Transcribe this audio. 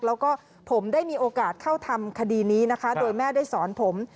แล้วก็ผมได้มีโอกาสเข้าทำคดีนี้นะคะโดยแม่ได้สอนผม